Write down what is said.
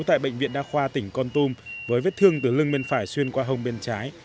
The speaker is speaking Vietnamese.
tại bệnh viện đa khoa tỉnh con tum với vết thương từ lưng bên phải xuyên qua hông bên trái